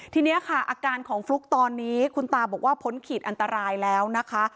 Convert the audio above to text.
ทีนี้ค่ะอาการของฟลุ๊กตอนนี้คุณตาบอกว่าพ้นขีดอันตรายแล้วนะคะ